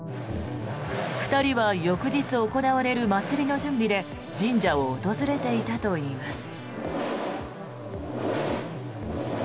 ２人は翌日行われる祭りの準備で神社を訪れていたといいます。